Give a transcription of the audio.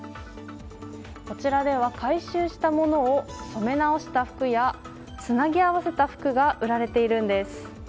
こちらでは回収したものを染め直した服やつなぎ合わせた服が売られているんです。